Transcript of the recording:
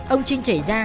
ông trinh chảy ra